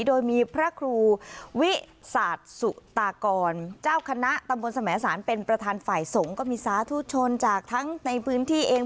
โดยมีพระครูวิสาทสุตากรเจ้าคณะตำบลสมสารเป็นประธานฝ่ายสงฆ์ก็มีสาธุชนจากทั้งในพื้นที่เอง